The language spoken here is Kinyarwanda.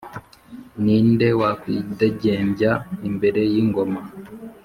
Ni nde wakwidegembya imbere y’ingona